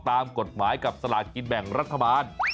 ตามกฎหมายกับสลากินแบ่งรัฐบาล